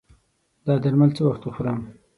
دا درمل څه وخت وخورم؟